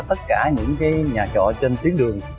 tất cả những nhà trọ trên tiến đường